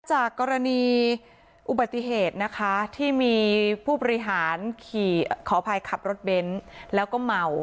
จากกรณีอุบัติเหตุนะคะที่มีผู้บริหารขี่ขออภัยขับรถเบนท์แล้วก็เมา